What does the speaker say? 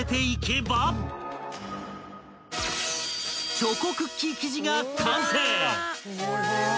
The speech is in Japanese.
［チョコクッキー生地が完成！］